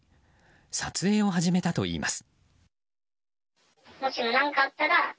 撮影を始めたといいます。